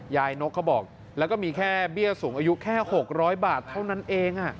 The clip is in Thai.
นกเขาบอกแล้วก็มีแค่เบี้ยสูงอายุแค่๖๐๐บาทเท่านั้นเอง